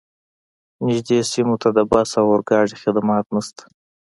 نږدې سیمو ته د بس او اورګاډي خدمات نشته